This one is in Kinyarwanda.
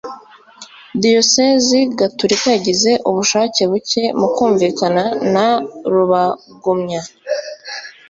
diyosezi gatulika yagize ubushake buke mu kumvikana na rubagumya